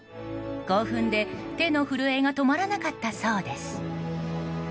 興奮で、手の震えが止まらなかったそうです。